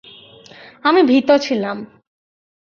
আমি ভীত ছিলাম।